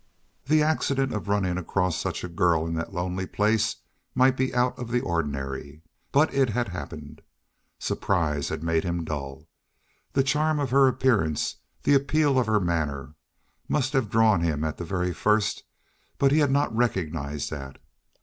The accident of running across such a girl in that lonely place might be out of the ordinary but it had happened. Surprise had made him dull. The charm of her appearance, the appeal of her manner, must have drawn him at the very first, but he had not recognized that.